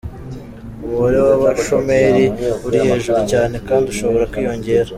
Umubare w’abashomeri uri hejuru cyane kandi ushobora kwiyongera